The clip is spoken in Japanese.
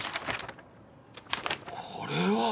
これは。